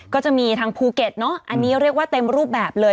ก็จะมีทางภูเก็ตเนอะอันนี้เรียกว่าเต็มรูปแบบเลย